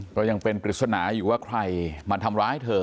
ก็ยังเป็นปริศนาอยู่ว่าใครมาทำร้ายเธอ